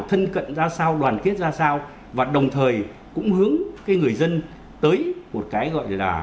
thân cận ra sao đoàn kết ra sao và đồng thời cũng hướng cái người dân tới một cái gọi là